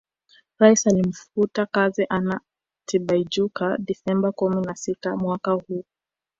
Rais alimfuta kazi Anna Tibaijuka Desemba kumi na sita mwaka huu